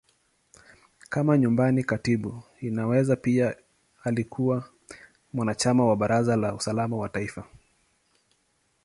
Kama Nyumbani Katibu, Inaweza pia alikuwa mwanachama wa Baraza la Usalama wa Taifa.